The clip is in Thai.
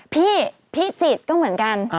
พี่พี่จิตก็เหมือนกัน